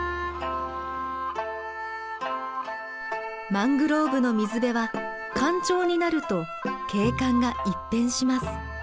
マングローブの水辺は干潮になると景観が一変します。